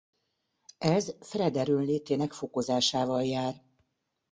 Ez Fred erőnlétének fokozásával jár.